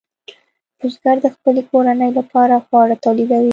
بزګر د خپلې کورنۍ لپاره خواړه تولیدوي.